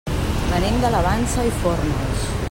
Venim de la Vansa i Fórnols.